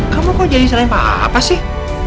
kamu kok jadi selain pak apa sih